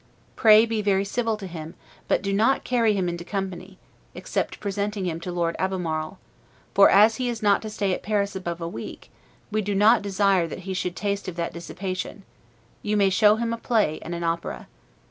Pray be very civil to him, but do not carry him into company, except presenting him to Lord Albemarle; for, as he is not to stay at Paris above a week, we do not desire that he should taste of that dissipation: you may show him a play and an opera.